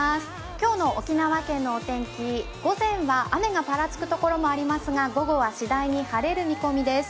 今日の沖縄県のお天気、午前は雨がぱらつくところもありますが、午後はしだいに晴れる見込みです。